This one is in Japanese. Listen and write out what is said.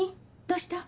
どうした？